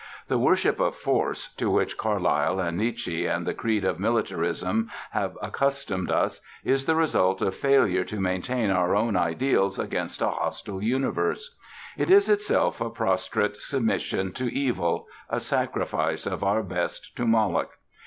The worship of Force, to which Carlyle and Nietzsche and the creed of Militarism have accustomed us, is the result of failure to maintain our own ideals against a hostile universe: it is itself a prostrate submission to evil, a sacrifice of our best to Moloch.